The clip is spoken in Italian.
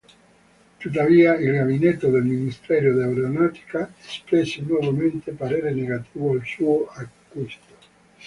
Tuttavia il gabinetto del Ministero dell'Aeronautica espresse nuovamente parere negativo al suo acquisto.